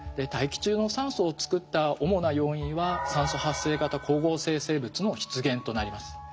大気中の酸素を作った主な要因は酸素発生型光合成生物の出現となります。